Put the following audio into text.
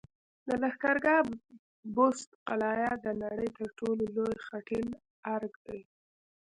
د لښکرګاه بست قلعه د نړۍ تر ټولو لوی خټین ارک دی